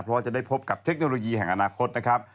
เพราะว่าจะได้พบกับเทคโนโลยีแห่งอนาคตนะครับ